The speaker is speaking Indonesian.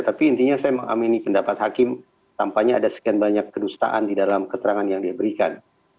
tapi intinya saya mengamini pendapat hakim tampaknya ada sekian banyak kedustaan di dalam keterangan yang dia berikan